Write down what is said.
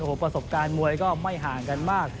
โอ้โหประสบการณ์มวยก็ไม่ห่างกันมาก